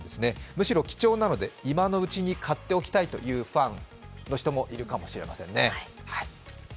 むしろ貴重なので今のうちに買っておきたいというファンもいるかもしれないですね。